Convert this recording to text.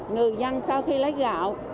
người dân sau khi lấy gạo